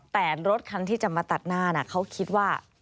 แต่รถคันที่จะมาตัดหน้าเขาคิดว่า